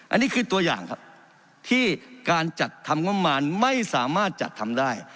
อันนี้คือตัวอย่างครับที่การจัดทำงบมารไม่สามารถจัดทำได้